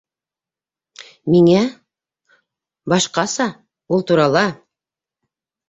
- Миңә... башҡаса... ул турала!..